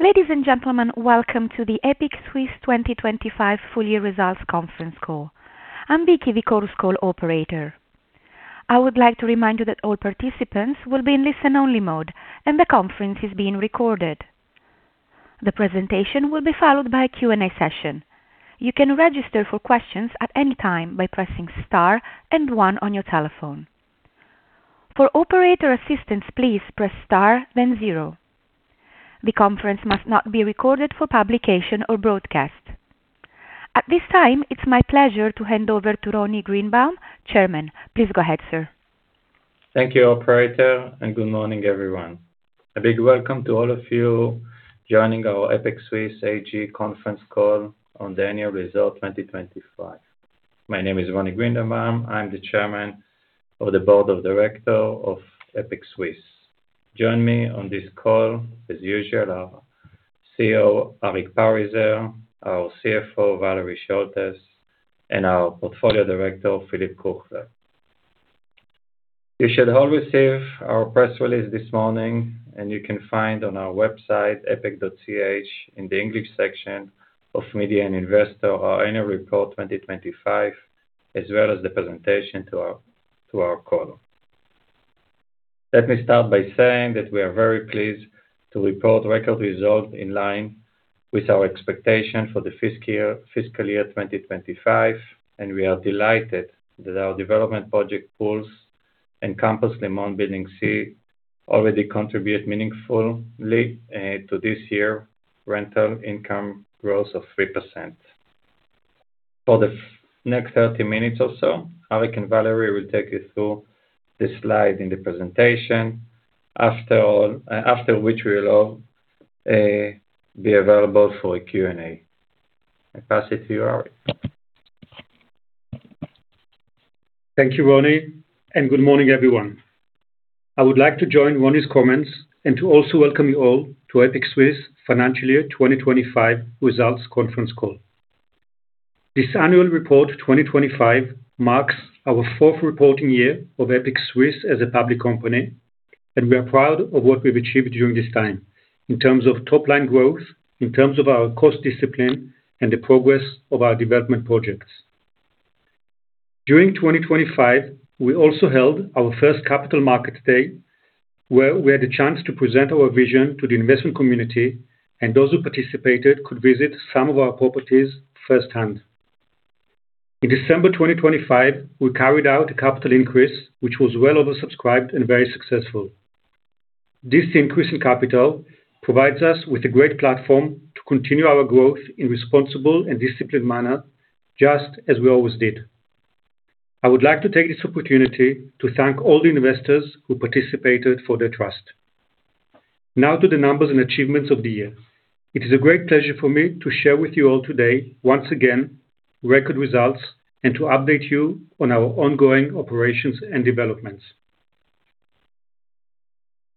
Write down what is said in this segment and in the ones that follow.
Ladies and gentlemen, welcome to the EPIC Suisse 2025 full year results conference call. I'm Vicky, the Chorus Call operator. I would like to remind you that all participants will be in listen-only mode, and the conference is being recorded. The presentation will be followed by a Q&A session. You can register for questions at any time by pressing star and one on your telephone. For operator assistance, please press star, then zero. The conference must not be recorded for publication or broadcast. At this time, it's my pleasure to hand over to Roni Greenbaum, Chairman. Please go ahead, sir. Thank you, operator, and good morning, everyone. A big welcome to all of you joining our EPIC Suisse AG conference call on the annual results 2025. My name is Roni Greenbaum. I'm the Chairman of the Board of Directors of EPIC Suisse. Join me on this call as usual, our CEO, Arik Parizer, our CFO, Valérie Scholtes, and our Portfolio Director, Philipp Küchler. You should all receive our press release this morning, and you can find it on our website, epic.ch, in the English section of Media and Investors, our annual report 2025, as well as the presentation to our call. Let me start by saying that we are very pleased to report record results in line with our expectation for the fiscal year 2025, and we are delighted that our development project Pulse, Campus Léman Building C already contribute meaningfully to this year rental income growth of 3%. For the next 30 minutes or so, Arik and Valérie will take you through the slide in the presentation. After which we'll all be available for a Q&A. I pass it to you, Arik. Thank you, Roni, and good morning, everyone. I would like to join Roni's comments and to also welcome you all to EPIC Suisse financial year 2025 results conference call. This annual report 2025 marks our fourth reporting year of EPIC Suisse as a public company, and we are proud of what we've achieved during this time in terms of top-line growth, in terms of our cost discipline and the progress of our development projects. During 2025, we also held our first capital market day, where we had a chance to present our vision to the investment community, and those who participated could visit some of our properties firsthand. In December 2025, we carried out a capital increase, which was well oversubscribed and very successful. This increase in capital provides us with a great platform to continue our growth in responsible and disciplined manner, just as we always did. I would like to take this opportunity to thank all the investors who participated for their trust. Now to the numbers and achievements of the year. It is a great pleasure for me to share with you all today, once again, record results and to update you on our ongoing operations and developments.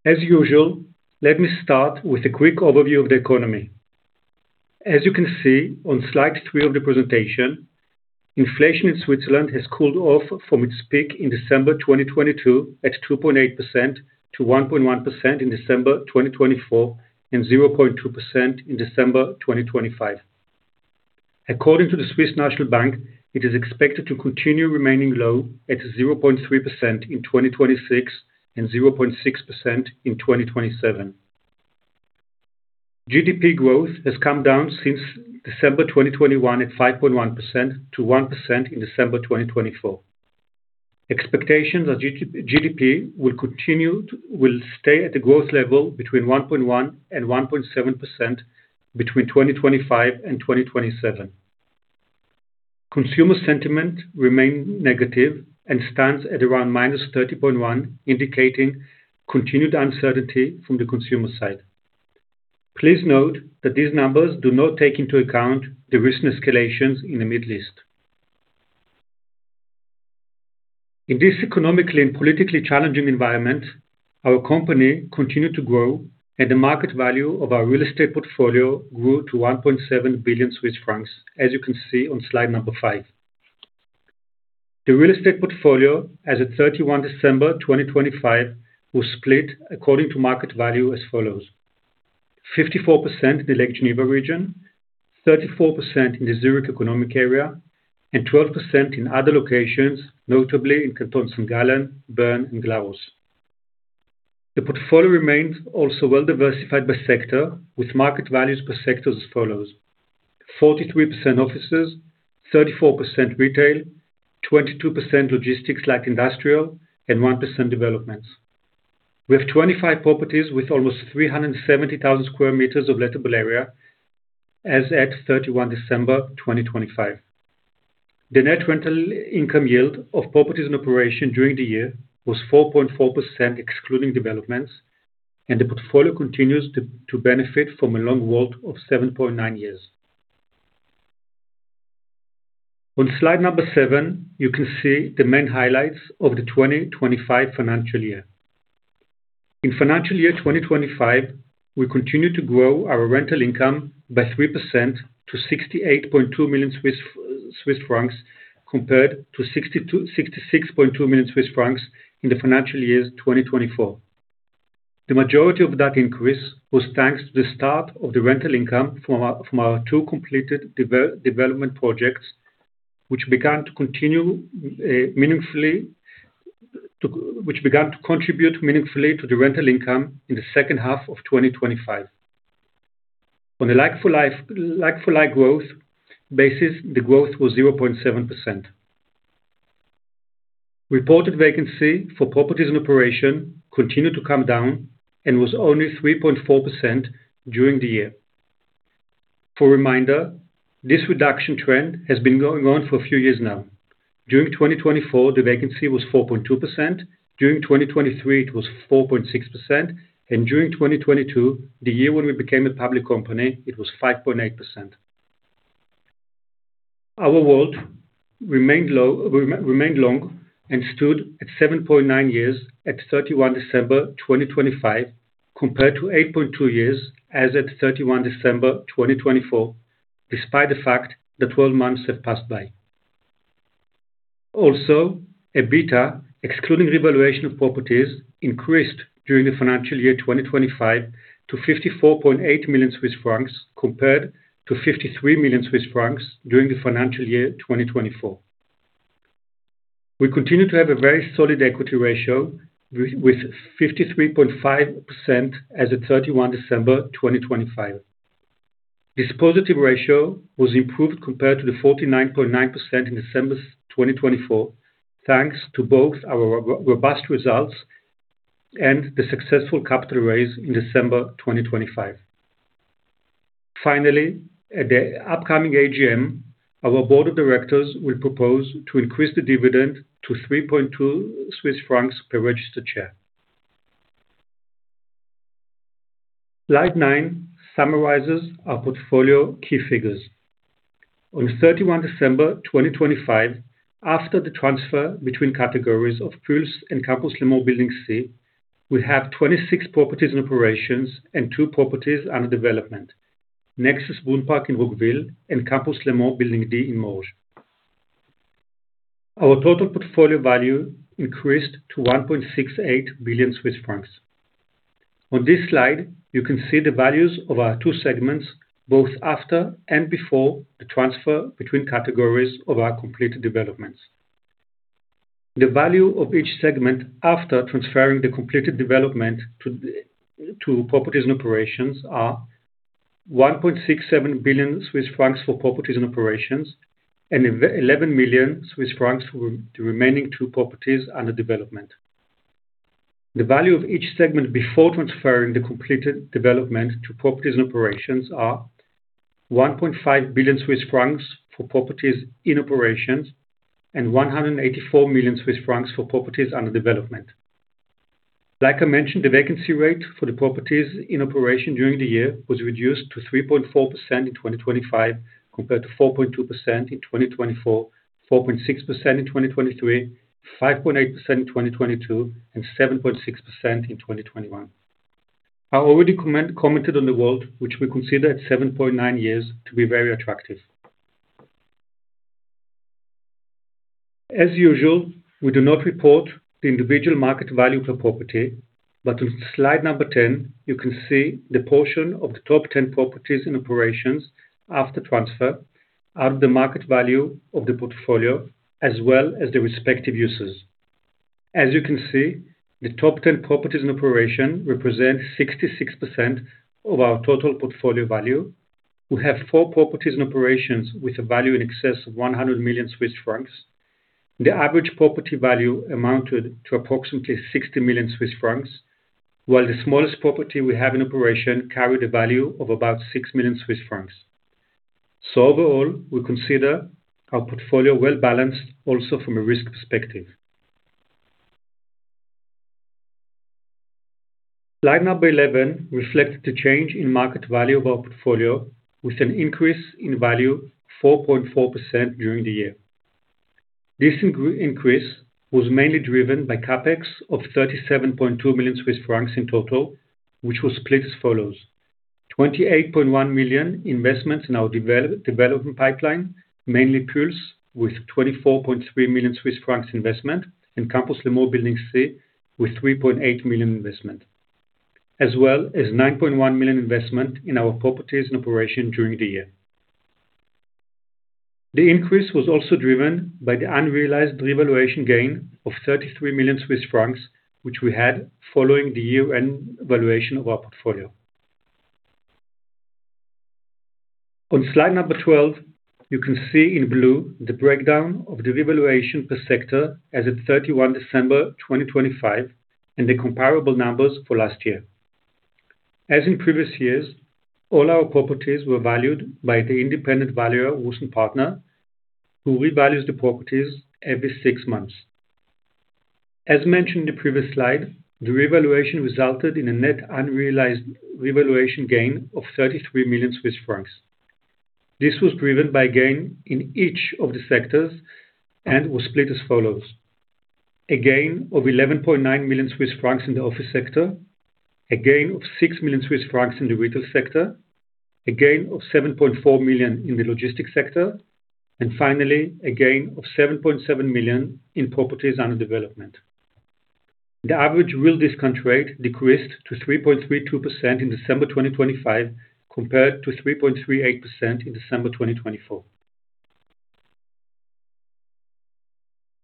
As usual, let me start with a quick overview of the economy. As you can see on slide three of the presentation, inflation in Switzerland has cooled off from its peak in December 2022 at 2.8% to 1.1% in December 2024 and 0.2% in December 2025. According to the Swiss National Bank, it is expected to continue remaining low at 0.3% in 2026 and 0.6% in 2027. GDP growth has come down since December 2021 at 5.1% to 1% in December 2024. Expectations are real GDP will stay at a growth level between 1.1% and 1.7% between 2025 and 2027. Consumer sentiment remain negative and stands at around -30.1, indicating continued uncertainty from the consumer side. Please note that these numbers do not take into account the recent escalations in the Middle East. In this economically and politically challenging environment, our company continued to grow, and the market value of our real estate portfolio grew to 1.7 billion Swiss francs, as you can see on slide number five. The real estate portfolio as at 31 December 2025 was split according to market value as follows: 54% in the Lake Geneva region, 34% in the Zurich economic area, and 12% in other locations, notably in Canton St. Gallen, Bern, and Glarus. The portfolio remains also well diversified by sector, with market values per sector as follows: 43% offices, 34% retail, 22% logistics like industrial, and 1% developments. We have 25 properties with almost 370,000 sq m of lettable area as at 31 December 2025. The net rental income yield of properties in operation during the year was 4.4% excluding developments, and the portfolio continues to benefit from a long WALT of 7.9 years. On slide seven, you can see the main highlights of the 2025 financial year. In financial year 2025, we continued to grow our rental income by 3% to 68.2 million compared to 66.2 million Swiss francs in the financial year 2024. The majority of that increase was thanks to the start of the rental income from our two completed development projects, which began to contribute meaningfully to the rental income in the second half of 2025. On a like-for-like growth basis, the growth was 0.7%. Reported vacancy for properties in operation continued to come down and was only 3.4% during the year. As a reminder, this reduction trend has been going on for a few years now. During 2024, the vacancy was 4.2%, during 2023 it was 4.6%, and during 2022, the year when we became a public company, it was 5.8%. Our WALT remained long and stood at 7.9 years at 31 December 2025, compared to 8.2 years as at 31 December 2024, despite the fact that twelve months have passed by. Also, EBITDA, excluding revaluation of properties, increased during the financial year 2025 to 54.8 million Swiss francs compared to 53 million Swiss francs during the financial year 2024. We continue to have a very solid equity ratio with 53.5% as of 31 December 2025. This positive ratio was improved compared to the 49.9% in December 2024, thanks to both our robust results and the successful capital raise in December 2025. Finally, at the upcoming AGM, our board of directors will propose to increase the dividend to 3.2 Swiss francs per registered share. Slide nine summarizes our portfolio key figures. On 31 December 2025, after the transfer between categories of Pulse and Campus Léman Building C, we have 26 properties in operations and two properties under development. Nexus Brunnpark in Roggwil and Campus Léman Building D in Morges. Our total portfolio value increased to 1.68 billion Swiss francs. On this slide, you can see the values of our two segments, both after and before the transfer between categories of our completed developments. The value of each segment after transferring the completed development to properties and operations are 1.67 billion Swiss francs for properties and operations, and 11 million Swiss francs for the remaining two properties under development. The value of each segment before transferring the completed development to properties and operations are 1.5 billion Swiss francs for properties and operations, and 184 million Swiss francs for properties under development. Like I mentioned, the vacancy rate for the properties in operation during the year was reduced to 3.4% in 2025, compared to 4.2% in 2024, 4.6% in 2023, 5.8% in 2022, and 7.6% in 2021. I already commented on the WALT, which we consider at 7.9 years to be very attractive. As usual, we do not report the individual market value per property, but on slide 10, you can see the portion of the top 10 properties in operations after transfer out of the market value of the portfolio, as well as the respective uses. As you can see, the top 10 properties in operation represent 66% of our total portfolio value. We have four properties in operations with a value in excess of 100 million Swiss francs. The average property value amounted to approximately 60 million Swiss francs, while the smallest property we have in operation carried a value of about 6 million Swiss francs. Overall, we consider our portfolio well-balanced also from a risk perspective. Slide 11 reflects the change in market value of our portfolio with an increase in value 4.4% during the year. This increase was mainly driven by CapEx of 37.2 million Swiss francs in total, which was split as follows, 28.1 million investments in our development pipeline, mainly Pulse, with 24.3 million Swiss francs investment, and Campus Léman Building C with 3.8 million investment, as well as 9.1 million investment in our properties in operation during the year. The increase was also driven by the unrealized revaluation gain of 33 million Swiss francs, which we had following the year-end valuation of our portfolio. On slide 12, you can see in blue the breakdown of the revaluation per sector as of 31 December 2025, and the comparable numbers for last year. As in previous years, all our properties were valued by the independent valuer, Wüest Partner, who revalues the properties every six months. As mentioned in the previous slide, the revaluation resulted in a net unrealized revaluation gain of 33 million Swiss francs. This was driven by gain in each of the sectors and was split as follows. A gain of 11.9 million Swiss francs in the office sector. A gain of 6 million Swiss francs in the retail sector. A gain of 7.4 million in the logistics sector. And finally, a gain of 7.7 million in properties under development. The average real discount rate decreased to 3.32% in December 2025, compared to 3.38% in December 2024.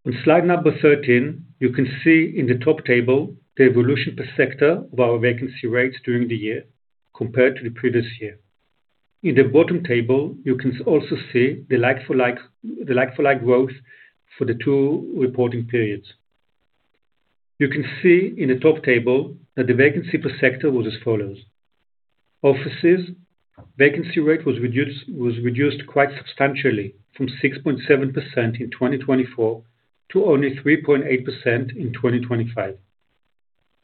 On slide number 13, you can see in the top table the evolution per sector of our vacancy rates during the year compared to the previous year. In the bottom table, you can also see the like-for-like growth for the two reporting periods. You can see in the top table that the vacancy per sector was as follows. Offices, vacancy rate was reduced quite substantially from 6.7% in 2024 to only 3.8% in 2025.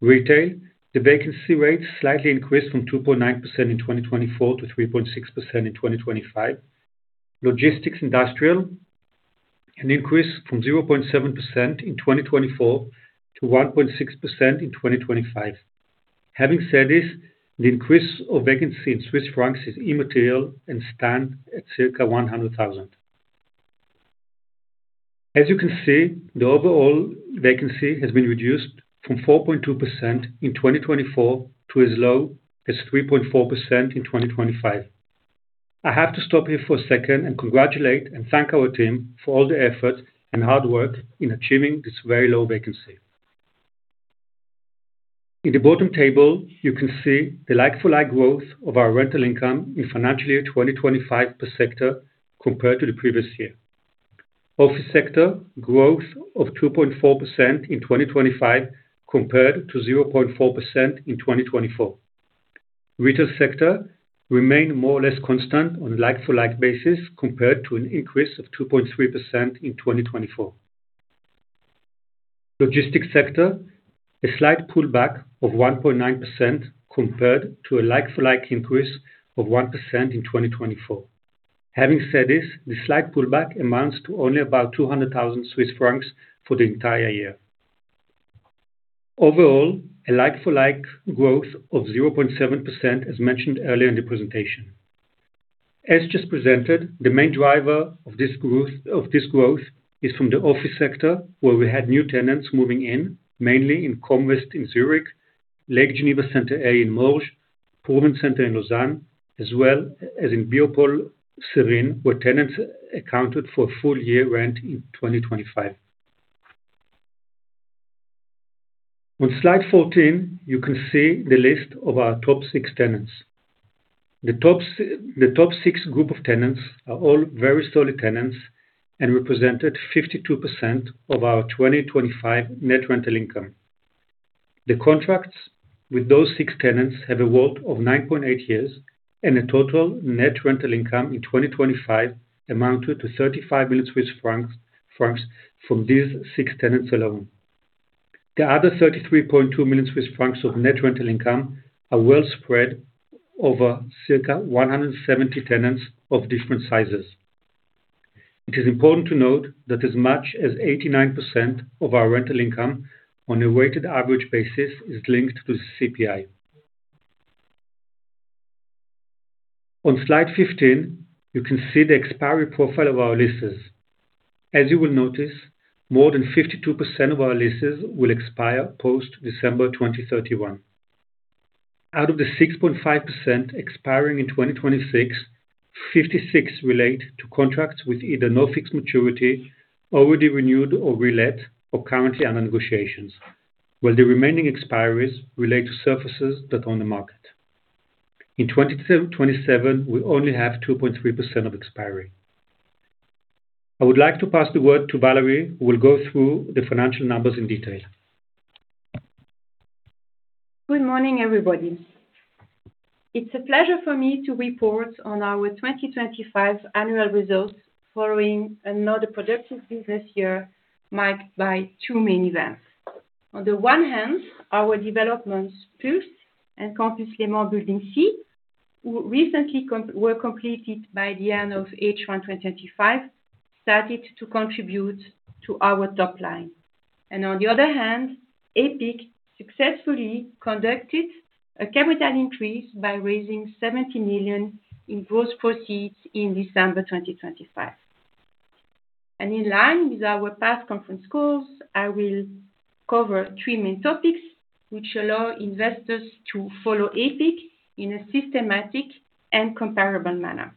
Retail, the vacancy rate slightly increased from 2.9% in 2024 to 3.6% in 2025. Logistics industrial, an increase from 0.7% in 2024 to 1.6% in 2025. Having said this, the increase of vacancy in Swiss francs is immaterial and stands at circa 100,000. As you can see, the overall vacancy has been reduced from 4.2% in 2024 to as low as 3.4% in 2025. I have to stop here for a second and congratulate and thank our team for all the effort and hard work in achieving this very low vacancy. In the bottom table, you can see the like-for-like growth of our rental income in financial year 2025 per sector compared to the previous year. Office sector, growth of 2.4% in 2025 compared to 0.4% in 2024. Retail sector remained more or less constant on like-for-like basis compared to an increase of 2.3% in 2024. Logistics sector, a slight pullback of 1.9% compared to a like-for-like increase of 1% in 2024. Having said this, the slight pullback amounts to only about 200,000 Swiss francs for the entire year. Overall, a like-for-like growth of 0.7%, as mentioned earlier in the presentation. As just presented, the main driver of this growth is from the office sector, where we had new tenants moving in, mainly in com. West in Zurich, Lake Geneva Center A in Morges, Provencenter in Lausanne, as well as in Biopôle Serine, where tenants accounted for full year rent in 2025. On slide 14, you can see the list of our top six tenants. The top six group of tenants are all very solid tenants and represented 52% of our 2025 net rental income. The contracts with those six tenants have a WALT of 9.8 years, and a total net rental income in 2025 amounted to 35 million Swiss francs from these six tenants alone. The other 33.2 million Swiss francs of net rental income are well spread over circa 170 tenants of different sizes. It is important to note that as much as 89% of our rental income on a weighted average basis is linked to the CPI. On slide 15, you can see the expiry profile of our leases. As you will notice, more than 52% of our leases will expire post-December 2031. Out of the 6.5% expiring in 2026, 56 relate to contracts with either no fixed maturity, already renewed or relet, or currently under negotiations. While the remaining expiries relate to surfaces that are on the market. In 2027, we only have 2.3% of expiry. I would like to pass the word to Valérie, who will go through the financial numbers in detail. Good morning, everybody. It's a pleasure for me to report on our 2025 annual results following another productive business year marked by two main events. On the one hand, our developments Pulse and Campus Léman Building C were completed by the end of H1 2025, started to contribute to our top line. On the other hand, EPIC successfully conducted a capital increase by raising 70 million in gross proceeds in December 2025. In line with our past conference calls, I will cover three main topics, which allow investors to follow EPIC in a systematic and comparable manner.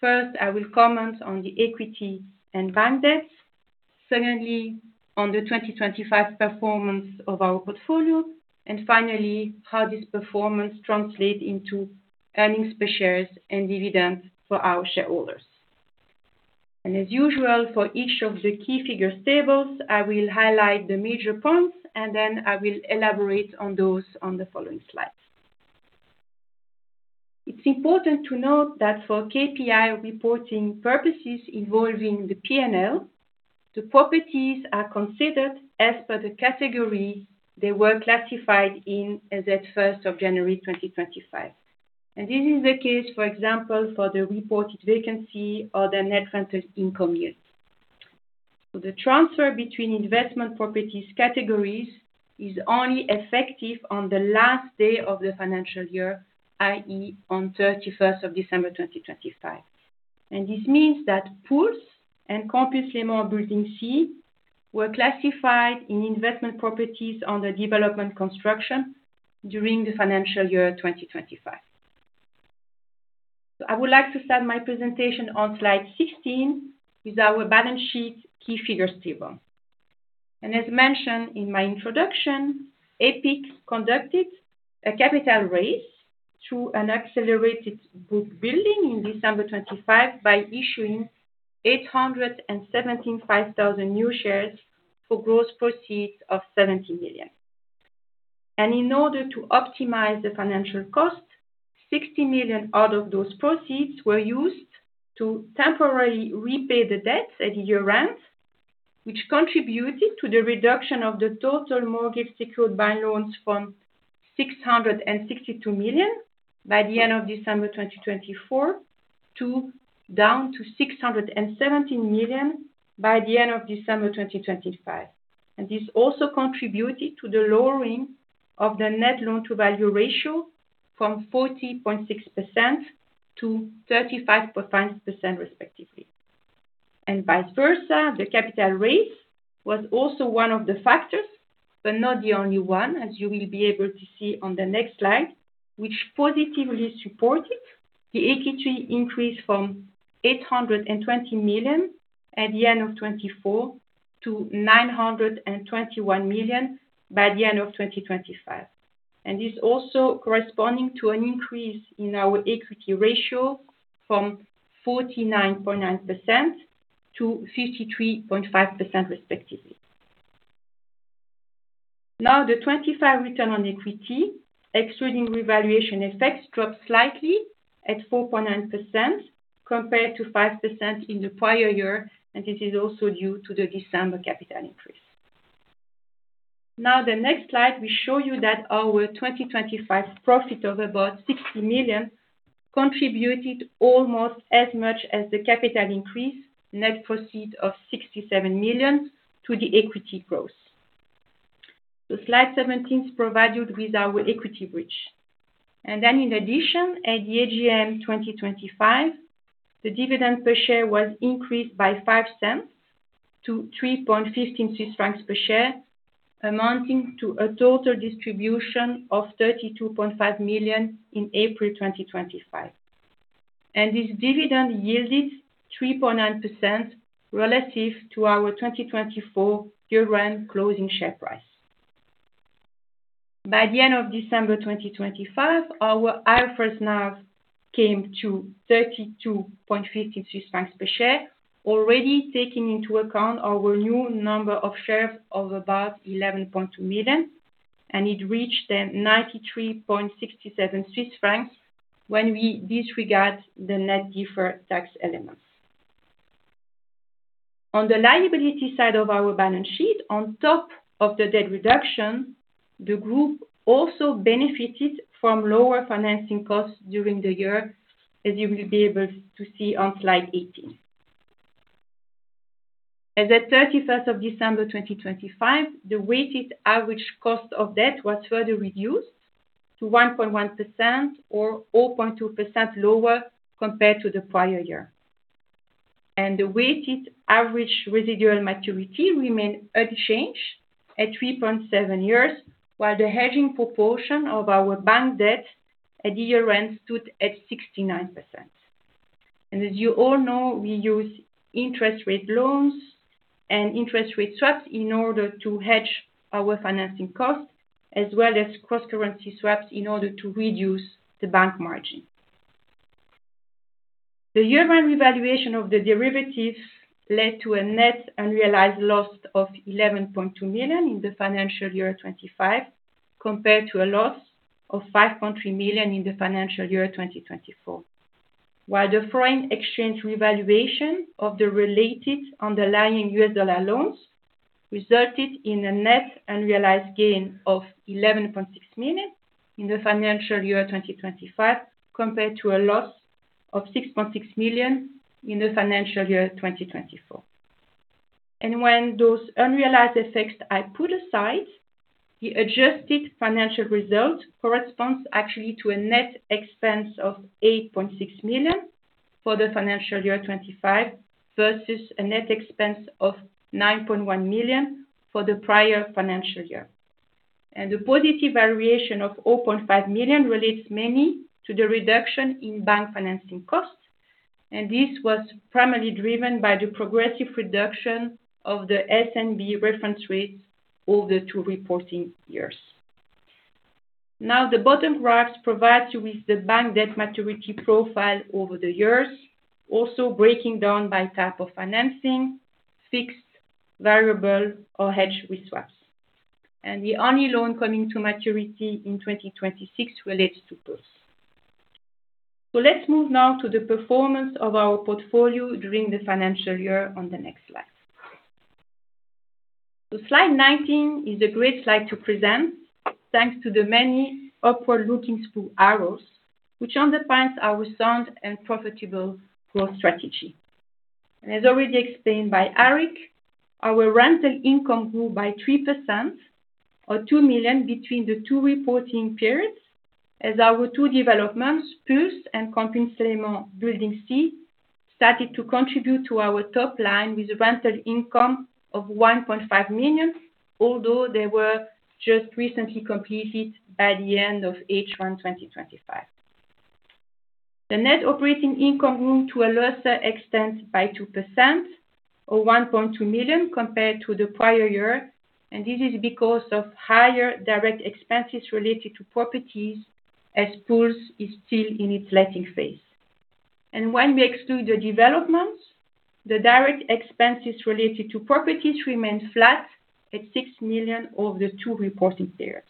First, I will comment on the equity, NAV and debts. Secondly, on the 2025 performance of our portfolio. Finally, how this performance translate into earnings per shares and dividends for our shareholders. As usual, for each of the key figures table, I will highlight the major points, and then I will elaborate on those on the following slides. It's important to note that for KPI reporting purposes involving the P&L, the properties are considered as per the category they were classified in as at January 1, 2025. This is the case, for example, for the reported vacancy or the net rental income yield. The transfer between investment properties categories is only effective on the last day of the financial year, i.e., on December 31, 2025. This means that Pulse and Campus Léman Building C were classified in investment properties under development construction during the financial year 2025. I would like to start my presentation on slide 16 with our balance sheet key figures table. As mentioned in my introduction, EPIC Suisse conducted a capital raise through an accelerated book building in December 2025 by issuing 875,000 new shares for gross proceeds of 70 million. In order to optimize the financial cost, 60 million out of those proceeds were used to temporarily repay the debts at year-end, which contributed to the reduction of the total mortgages secured by loans from 662 million by the end of December 2024 to down to 670 million by the end of December 2025. This also contributed to the lowering of the net loan-to-value ratio from 40.6% to 35% respectively. Vice versa, the capital raise was also one of the factors, but not the only one, as you will be able to see on the next slide, which positively supported the equity increase from 820 million at the end of 2024 to 921 million by the end of 2025. This also corresponding to an increase in our equity ratio from 49.9% to 53.5%, respectively. Now, the 2025 return on equity, excluding revaluation effects, dropped slightly at 4.9% compared to 5% in the prior year, and this is also due to the December capital increase. Now, the next slide will show you that our 2025 profit of about 60 million contributed almost as much as the capital increase, net proceeds of 67 million to the equity growth. Slide 17 provides you with our equity bridge. In addition, at the AGM 2025, the dividend per share was increased by 0.05 CHF to 3.15 Swiss francs per share, amounting to a total distribution of 32.5 million in April 2025. This dividend yielded 3.9% relative to our 2024 year-end closing share price. By the end of December 2025, our IFRS NAV came to 32.50 francs per share, already taking into account our new number of shares of about 11.2 million, and it reached 93.67 Swiss francs when we disregard the net deferred tax elements. On the liability side of our balance sheet, on top of the debt reduction, the group also benefited from lower financing costs during the year, as you will be able to see on slide 18. As at 31 December 2025, the weighted average cost of debt was further reduced to 1.1% or 0.2% lower compared to the prior year. The weighted average residual maturity remained unchanged at 3.7 years, while the hedging proportion of our bank debt at year-end stood at 69%. As you all know, we use interest rate loans and interest rate swaps in order to hedge our financing costs, as well as cross-currency swaps in order to reduce the bank margin. The year-end revaluation of the derivatives led to a net unrealized loss of 11.2 million in the financial year 2025, compared to a loss of 5.3 million in the financial year 2024. While the foreign exchange revaluation of the related underlying U.S. dollar loans resulted in a net unrealized gain of 11.6 million in the financial year 2025, compared to a loss of 6.6 million in the financial year 2024. When those unrealized effects are put aside, the adjusted financial result corresponds actually to a net expense of 8.6 million for the financial year 2025 versus a net expense of 9.1 million for the prior financial year. The positive variation of 0.5 million relates mainly to the reduction in bank financing costs, and this was primarily driven by the progressive reduction of the SNB reference rates over the two reporting years. Now, the bottom graph provides you with the bank debt maturity profile over the years, also breaking down by type of financing, fixed, variable, or hedged with swaps. The only loan coming to maturity in 2026 relates to Pulse. Let's move now to the performance of our portfolio during the financial year on the next slide. Slide 19 is a great slide to present thanks to the many upward-looking cool arrows, which underpins our sound and profitable growth strategy. As already explained by Arik, our rental income grew by 3% or 2 million between the two reporting periods as our two developments, Pulse and Campus Léman Building C, started to contribute to our top line with rental income of 1.5 million, although they were just recently completed by the end of H1 2025. The net operating income grew to a lesser extent by 2% or 1.2 million compared to the prior year. This is because of higher direct expenses related to properties as Pulse is still in its letting phase. When we exclude the developments, the direct expenses related to properties remained flat at 6 million over the two reporting periods.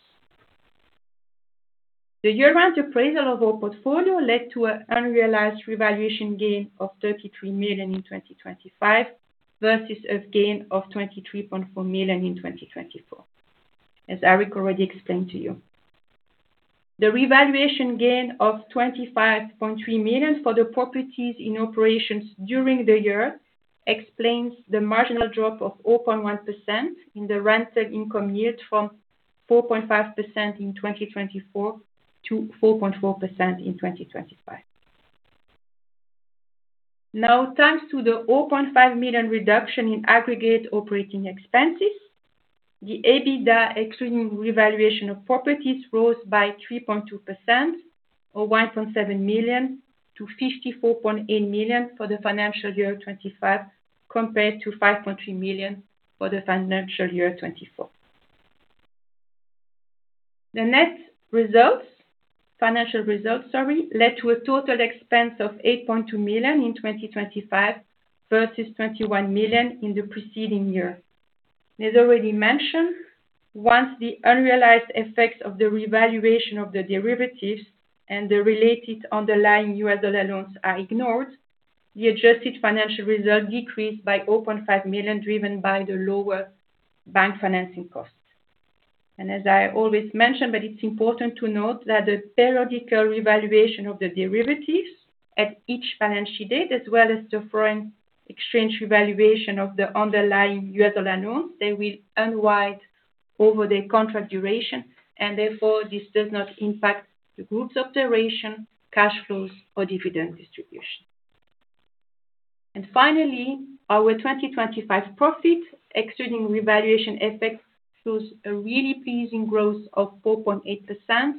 The year-end appraisal of our portfolio led to an unrealized revaluation gain of 33 million in 2025 versus a gain of 23.4 million in 2024, as Arik already explained to you. The revaluation gain of 25.3 million for the properties in operations during the year explains the marginal drop of 0.1% in the rental income yield from 4.5% in 2024 to 4.4% in 2025. Now, thanks to the 0.5 million reduction in aggregate operating expenses, the EBITDA excluding revaluation of properties rose by 3.2% or 1.7 million to 54.8 million for the financial year 2025 compared to 5.3 million for the financial year 2024. The financial results, sorry, led to a total expense of 8.2 million in 2025 versus 21 million in the preceding year. As already mentioned, once the unrealized effects of the revaluation of the derivatives and the related underlying U.S. Dollar loans are ignored, the adjusted financial result decreased by 0.5 million, driven by the lower bank financing costs. As I always mention, but it's important to note that the periodic revaluation of the derivatives at each financial date, as well as the foreign exchange revaluation of the underlying U.S. dollar loans, they will unwind over the contract duration, and therefore, this does not impact the group's operations, cash flows, or dividend distribution. Finally, our 2025 profit excluding revaluation effects shows a really pleasing growth of 4.8%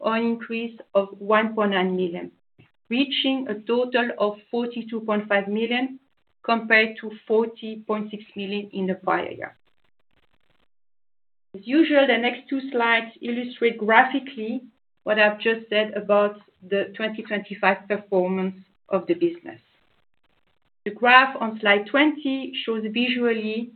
or an increase of 1.9 million, reaching a total of 42.5 million compared to 40.6 million in the prior year. As usual, the next two slides illustrate graphically what I've just said about the 2025 performance of the business. The graph on slide 20 shows visually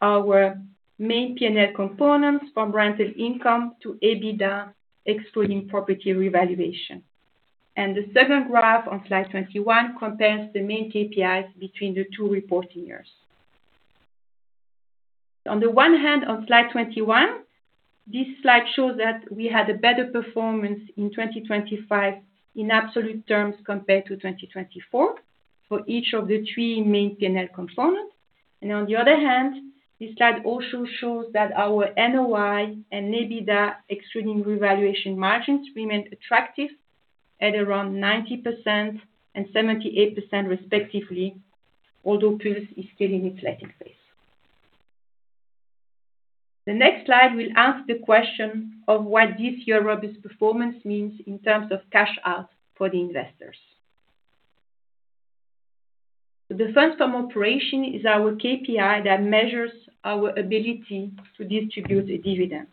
our main P&L components from rental income to EBITDA excluding property revaluation. The second graph on slide 21 compares the main KPIs between the two reporting years. On the one hand, on slide 21, this slide shows that we had a better performance in 2025 in absolute terms compared to 2024 for each of the three main P&L components. On the other hand, this slide also shows that our NOI and EPRA revaluation margins remained attractive at around 90% and 78% respectively, although Pulse is still in its letting phase. The next slide will ask the question of what this year robust performance means in terms of cash out for the investors. The funds from operation is our KPI that measures our ability to distribute the dividends.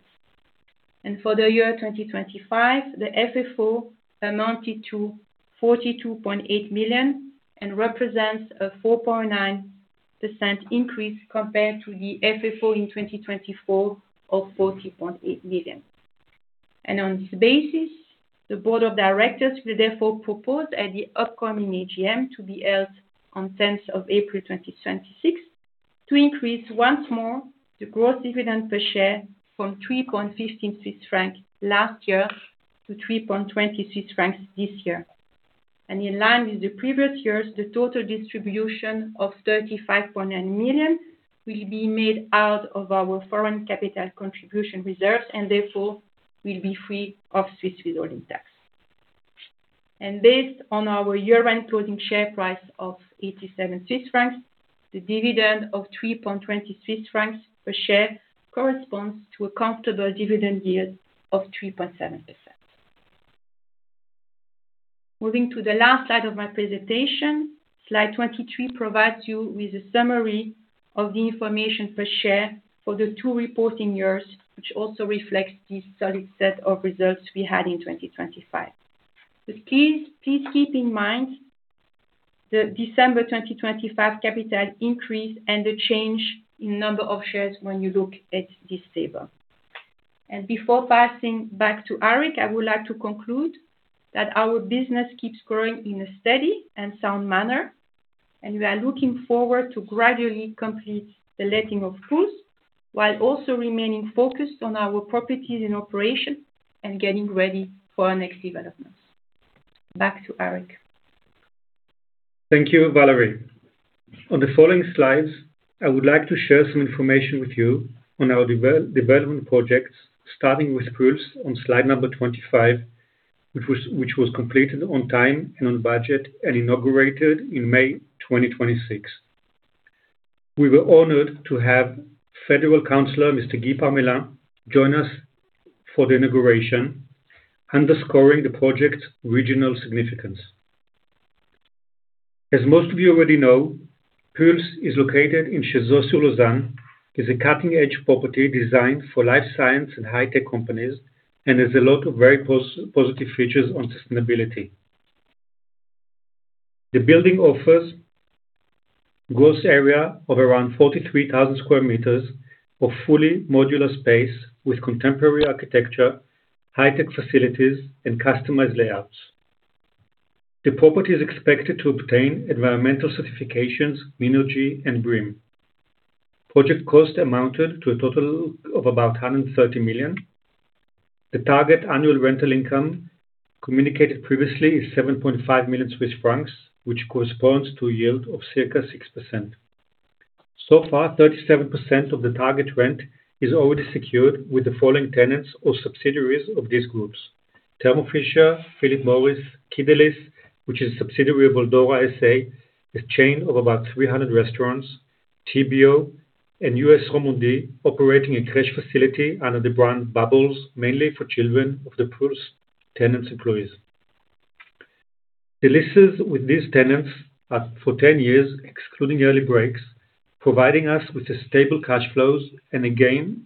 For the year 2025, the FFO amounted to 42.8 million, and represents a 4.9% increase compared to the FFO in 2024 of 40.8 million. On this basis, the Board of Directors will therefore propose at the upcoming AGM to be held on 10th of April 2026 to increase once more the growth dividend per share from 3.15 Swiss francs last year to 3.20 Swiss francs this year. In line with the previous years, the total distribution of 35.9 million will be made out of our capital contribution reserves, and therefore will be free of Swiss withholding tax. Based on our year-end closing share price of 87 Swiss francs, the dividend of 3.20 francs per share corresponds to a comfortable dividend yield of 3.7%. Moving to the last slide of my presentation. Slide 23 provides you with a summary of the information per share for the two reporting years, which also reflects the solid set of results we had in 2025. Please keep in mind the December 2025 capital increase and the change in number of shares when you look at this table. Before passing back to Arik, I would like to conclude that our business keeps growing in a steady and sound manner, and we are looking forward to gradually complete the letting of Pulse while also remaining focused on our properties and operation and getting ready for our next development. Back to Arik. Thank you, Valérie. On the following slides, I would like to share some information with you on our development projects, starting with Pulse on slide number 25, which was completed on time and on budget and inaugurated in May 2026. We were honored to have Federal Councillor, Mr. Guy Parmelin, join us for the inauguration, underscoring the project's regional significance. As most of you already know, Pulse is located in Cheseaux-sur-Lausanne, is a cutting-edge property designed for life science and high-tech companies, and has a lot of very positive features on sustainability. The building offers gross area of around 43,000 sq m of fully modular space with contemporary architecture, high-tech facilities, and customized layouts. The property is expected to obtain environmental certifications, Minergie and BREEAM. Project cost amounted to a total of about 130 million. The target annual rental income communicated previously is 7.5 million Swiss francs, which corresponds to a yield of circa 6%. So far, 37% of the target rent is already secured with the following tenants or subsidiaries of these groups: Thermo Fisher, Philip Morris, Kibélès, which is a subsidiary of Eldora SA, a chain of about 300 restaurants, TBO, and USS Romandie, operating a crèche facility under the brand Bubbles, mainly for children of the Pulse tenants' employees. The leases with these tenants are for 10 years, excluding early breaks, providing us with stable cash flows and again,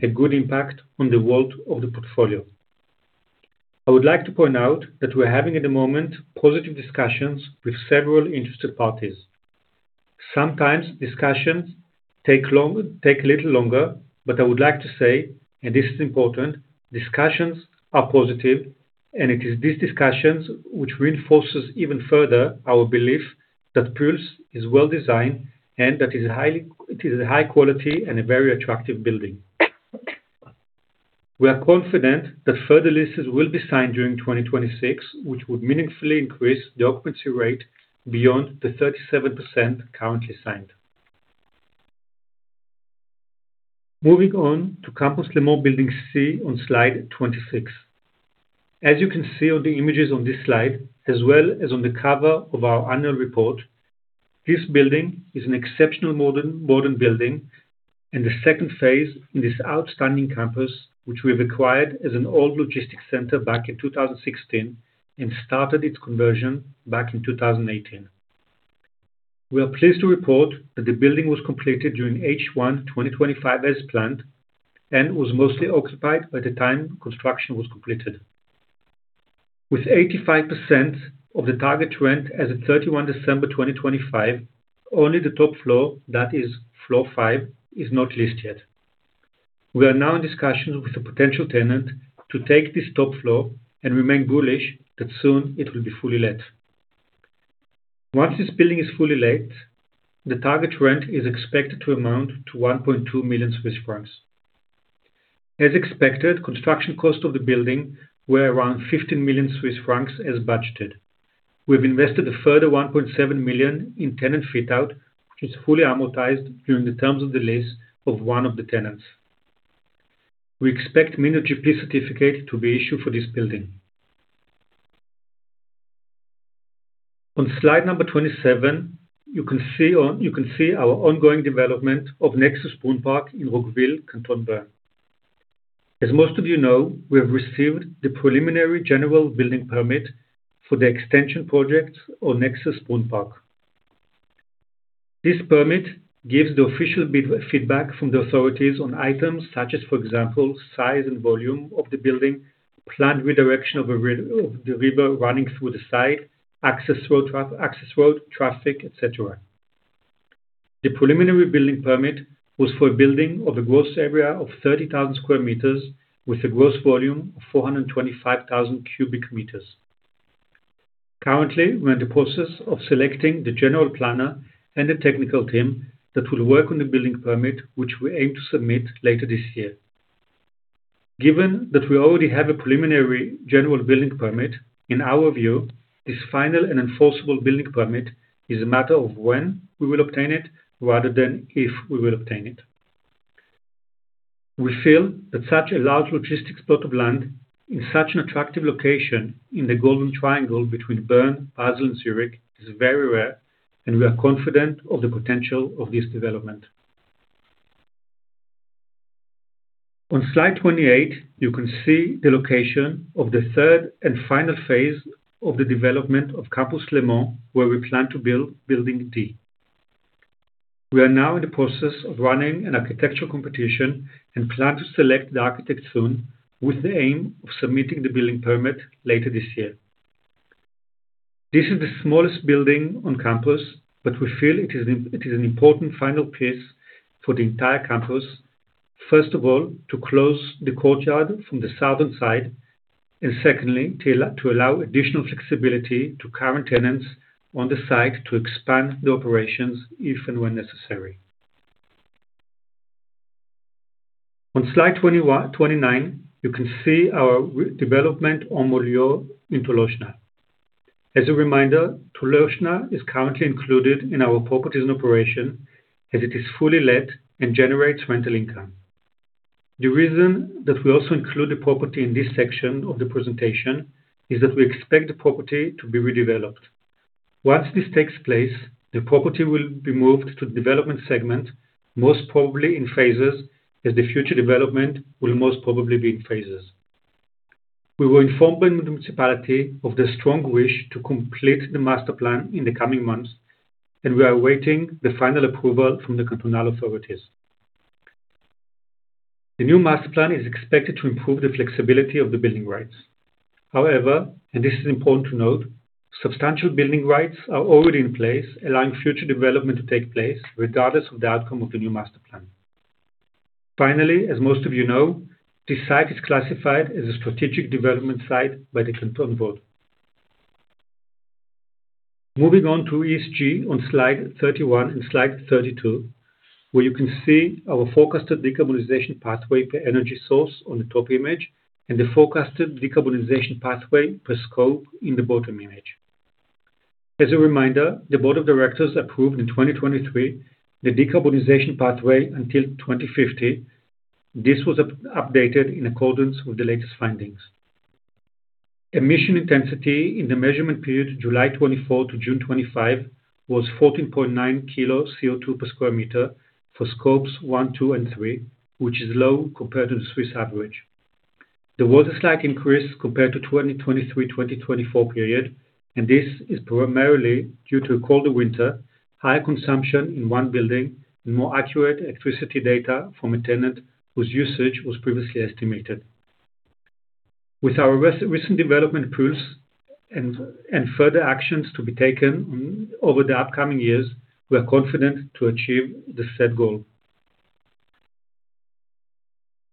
a good impact on the yield of the portfolio. I would like to point out that we're having at the moment, positive discussions with several interested parties. Sometimes discussions take long, take a little longer, but I would like to say, and this is important, discussions are positive, and it is these discussions which reinforces even further our belief that Pulse is well-designed and that it's a high quality and a very attractive building. We are confident that further leases will be signed during 2026, which would meaningfully increase the occupancy rate beyond the 37% currently signed. Moving on to Campus Léman Building C on slide 26. As you can see on the images on this slide, as well as on the cover of our annual report, this building is an exceptional modern building and the second phase in this outstanding campus, which we have acquired as an old logistics center back in 2016 and started its conversion back in 2018. We are pleased to report that the building was completed during H1 2025 as planned, and was mostly occupied by the time construction was completed. With 85% of the target rent as at 31 December 2025, only the top floor, that is floor five, is not leased yet. We are now in discussions with a potential tenant to take this top floor and remain bullish that soon it will be fully let. Once this building is fully let, the target rent is expected to amount to 1.2 million Swiss francs. As expected, construction cost of the building were around 15 million Swiss francs as budgeted. We've invested a further 1.7 million in tenant fit out, which is fully amortized during the terms of the lease of one of the tenants. We expect Minergie-P certificate to be issued for this building. On slide number 27, you can see our ongoing development of Nexus Brunnpark in Roggwil, canton of Bern. As most of you know, we have received the preliminary general building permit for the extension project on Nexus Brunnpark. This permit gives the official bid feedback from the authorities on items such as, for example, size and volume of the building, planned redirection of the river running through the site, access road traffic, et cetera. The preliminary building permit was for a building of a gross area of 30,000 sq m with a gross volume of 425,000 cu m. Currently, we're in the process of selecting the general planner and the technical team that will work on the building permit, which we aim to submit later this year. Given that we already have a preliminary general building permit, in our view, this final and enforceable building permit is a matter of when we will obtain it rather than if we will obtain it. We feel that such a large logistics plot of land in such an attractive location in the golden triangle between Bern, Basel, and Zurich is very rare, and we are confident of the potential of this development. On slide 28, you can see the location of the third and final phase of the development of Campus Léman, where we plan to build Building D. We are now in the process of running an architectural competition and plan to select the architect soon, with the aim of submitting the building permit later this year. This is the smallest building on campus, but we feel it is an important final piece for the entire campus. First of all, to close the courtyard from the southern side, and secondly, to allow additional flexibility to current tenants on the site to expand the operations if and when necessary. On slide 29, you can see our development on Modulis in Tolochenaz. As a reminder, Tolochenaz is currently included in our properties in operation as it is fully let and generates rental income. The reason that we also include the property in this section of the presentation is that we expect the property to be redeveloped. Once this takes place, the property will be moved to the development segment, most probably in phases, as the future development will most probably be in phases. We were informed by the municipality of the strong wish to complete the master plan in the coming months, and we are awaiting the final approval from the cantonal authorities. The new master plan is expected to improve the flexibility of the building rights. However, and this is important to note, substantial building rights are already in place, allowing future development to take place regardless of the outcome of the new master plan. Finally, as most of you know, this site is classified as a strategic development site by the Canton Board. Moving on to ESG on slide 31 and slide 32, where you can see our forecasted decarbonization pathway per energy source on the top image and the forecasted decarbonization pathway per scope in the bottom image. As a reminder, the board of directors approved in 2023 the decarbonization pathway until 2050. This was updated in accordance with the latest findings. Emission intensity in the measurement period July 2024 to June 2025 was 14.9 kg CO2 per sq m for scopes one, two, and three, which is low compared to the Swiss average. There was a slight increase compared to 2023/2024 period, and this is primarily due to a colder winter, higher consumption in one building, and more accurate electricity data from a tenant whose usage was previously estimated. With our recent development projects and further actions to be taken over the upcoming years, we are confident to achieve the set goal.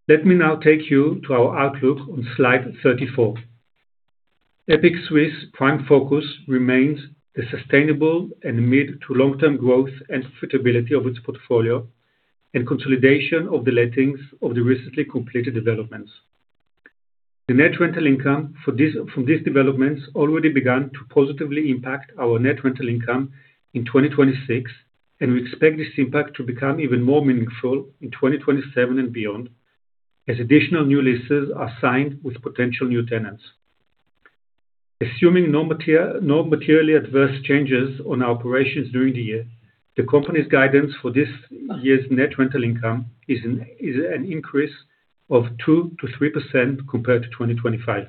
Let me now take you to our outlook on slide 34. EPIC Suisse's prime focus remains the sustainable and mid- to long-term growth and profitability of its portfolio and consolidation of the lettings of the recently completed developments. The net rental income from these developments already began to positively impact our net rental income in 2026, and we expect this impact to become even more meaningful in 2027 and beyond, as additional new leases are signed with potential new tenants. Assuming no materially adverse changes on our operations during the year, the company's guidance for this year's net rental income is an increase of 2%-3% compared to 2025.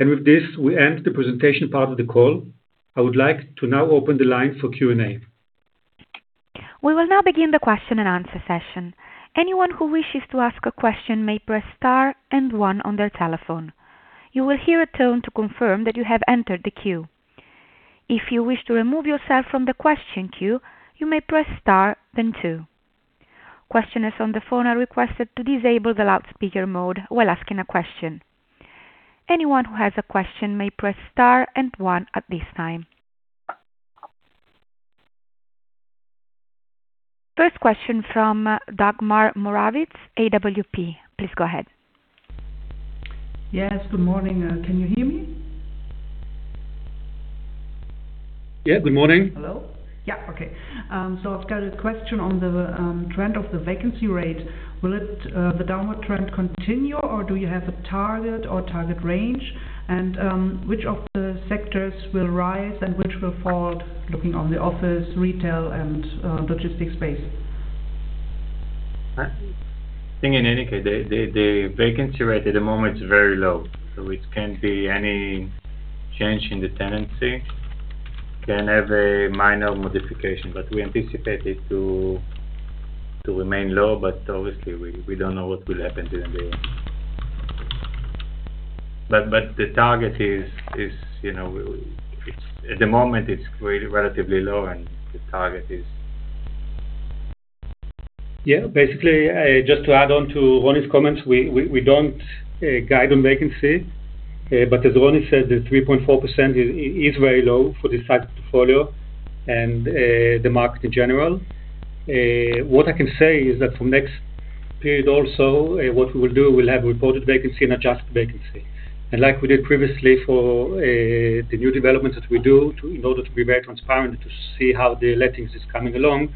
With this, we end the presentation part of the call. I would like to now open the line for Q&A. We will now begin the question and answer session. Anyone who wishes to ask a question may press star and one on their telephone. You will hear a tone to confirm that you have entered the queue. If you wish to remove yourself from the question queue, you may press star then two. Questioners on the phone are requested to disable the loudspeaker mode while asking a question. Anyone who has a question may press star and one at this time. First question from Dagmar Morawitz, AWP. Please go ahead. Yes. Good morning. Can you hear me? Yeah. Good morning. Hello? Yeah. Okay. I've got a question on the trend of the vacancy rate. Will it, the downward trend, continue, or do you have a target or target range? Which of the sectors will rise and which will fall, looking on the office, retail, and logistics space? Uh. I think in any case, the vacancy rate at the moment is very low. It can be any change in the tenancy, can have a minor modification. We anticipate it to remain low, but obviously we don't know what will happen during the year. The target is, you know, it's at the moment, it's relatively low, and the target is. Yeah. Basically, just to add on to Roni's comments, we don't guide on vacancy. As Roni said, the 3.4% is very low for this type of portfolio and the market in general. What I can say is that from next period also, what we will do, we'll have reported vacancy and adjusted vacancy. Like we did previously for the new developments that we do in order to be very transparent to see how the lettings is coming along,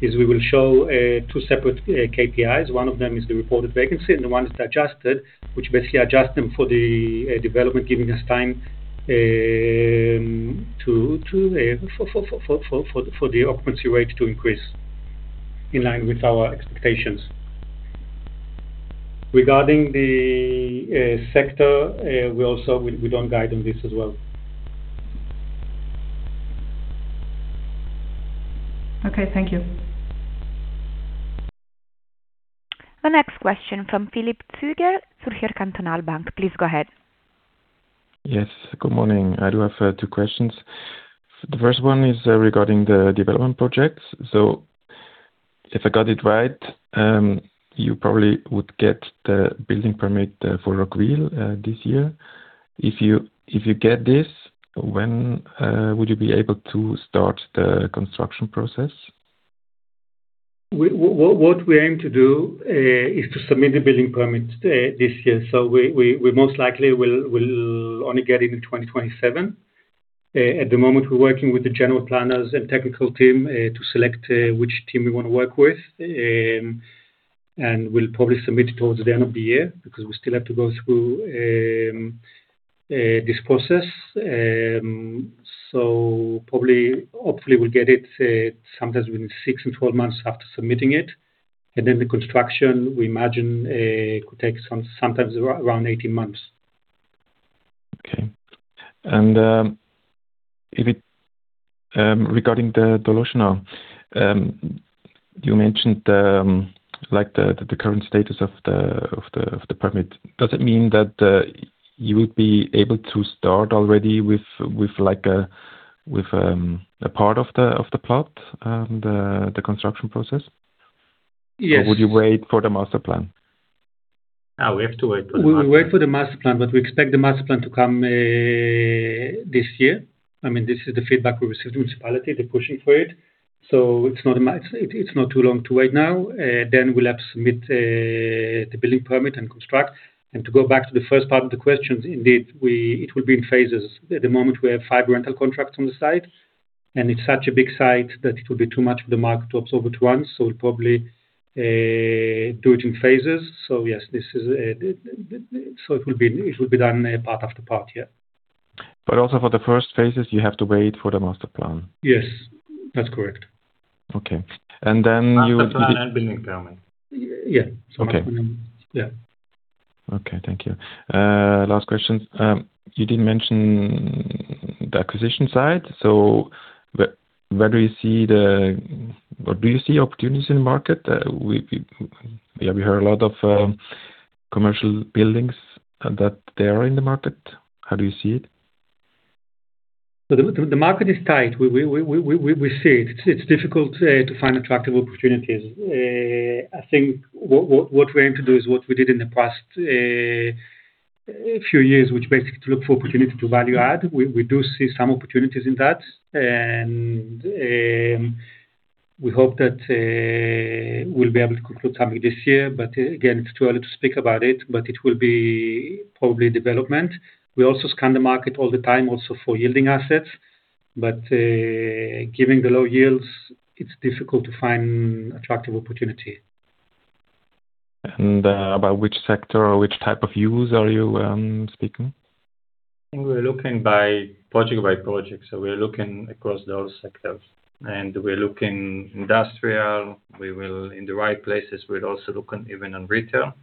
we will show two separate KPIs. One of them is the reported vacancy, and the one is adjusted, which basically adjust them for the development, giving us time for the occupancy rate to increase in line with our expectations. Regarding the sector, we also don't guide on this as well. Okay, thank you. The next question from Philipp Mettler, Zürcher Kantonalbank. Please go ahead. Yes, good morning. I do have two questions. The first one is regarding the development projects. If I got it right, you probably would get the building permit for Roggwil this year. If you get this, when would you be able to start the construction process? What we aim to do is to submit a building permit this year. We most likely will only get in in 2027. At the moment, we're working with the general planners and technical team to select which team we wanna work with. We'll probably submit towards the end of the year because we still have to go through this process. Probably, hopefully we'll get it sometimes within 6 and 12 months after submitting it. Then the construction, we imagine, could take sometimes around 18 months. Okay, regarding the Tolochenaz, you mentioned, like, the current status of the permit. Does it mean that you would be able to start already with, like, a part of the plot and the construction process? Yes. Would you wait for the master plan? No, we have to wait for the master plan. We will wait for the master plan, but we expect the master plan to come this year. I mean, this is the feedback we received from the municipality. They're pushing for it. It's not too long to wait now. We'll have to submit the building permit and construct. To go back to the first part of the question, indeed, it will be in phases. At the moment, we have five rental contracts on the site, and it's such a big site that it will be too much for the market to absorb at once. We'll probably do it in phases. Yes, this is this, so it will be done part after part, yeah. Also for the first phases, you have to wait for the master plan? Yes, that's correct. Okay. Master plan and building permit. Yeah. Master plan. Okay. Yeah. Okay, thank you. Last question. You didn't mention the acquisition side. Do you see opportunities in the market? Yeah, we heard a lot of commercial buildings that they are in the market. How do you see it? The market is tight. We see it. It's difficult to find attractive opportunities. I think what we aim to do is what we did in the past few years, which basically to look for opportunity to value add. We do see some opportunities in that. We hope that we'll be able to conclude something this year. Again, it's too early to speak about it, but it will be probably development. We also scan the market all the time also for yielding assets. Given the low yields, it's difficult to find attractive opportunity. about which sector or which type of use are you speaking? We're looking by project, so we're looking across those sectors. We're looking industrial. We will, in the right places, we'll also look even on retail,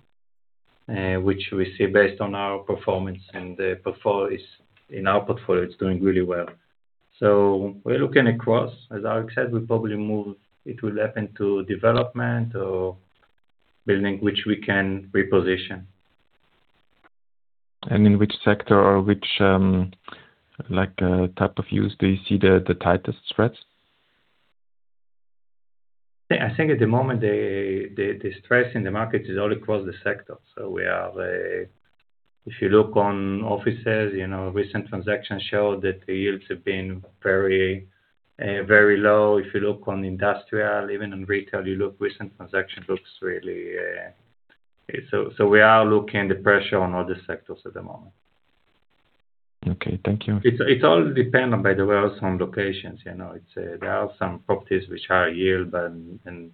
which we see based on our performance. The portfolio is in our portfolio; it's doing really well. We're looking across. As Arik said, we'll probably move. It will happen to development or building, which we can reposition. In which sector or which, like, type of use do you see the tightest spreads? Yeah. I think at the moment the stress in the market is all across the sector. We are, if you look at offices, you know, recent transactions show that the yields have been very, very low. If you look at industrial, even in retail, recent transactions look really. We are feeling the pressure on all the sectors at the moment. Okay, thank you. It all depends on, by the way, on locations, you know. It's there are some properties which are yield and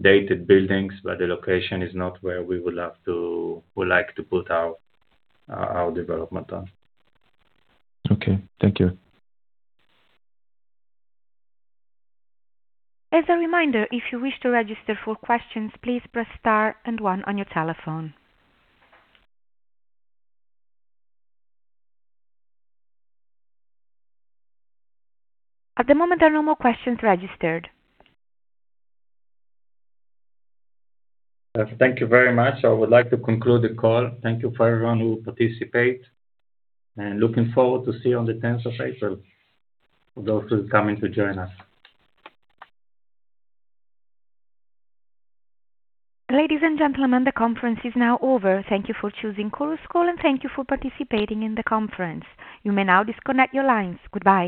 dated buildings, but the location is not where we like to put our development on. Okay, thank you. As a reminder, if you wish to register for questions, please press star and one on your telephone. At the moment, there are no more questions registered. Thank you very much. I would like to conclude the call. Thank you for everyone who participate, and looking forward to see you on the 10th of April for those who are coming to join us. Ladies and gentlemen, the conference is now over. Thank you for choosing Chorus Call, and thank you for participating in the conference. You may now disconnect your lines. Goodbye.